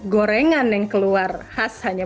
gorengan yang keluar khas hanya